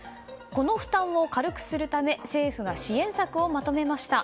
この負担を軽くするため政府が支援策をまとめました。